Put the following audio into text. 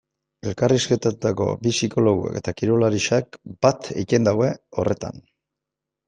Elkarrizketatutako bi psikologoek eta kirolariak bat egiten dute horretan.